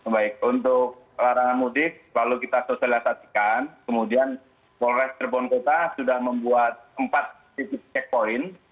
baik untuk larangan mudik lalu kita sosialisasikan kemudian polres cirebon kota sudah membuat empat titik checkpoint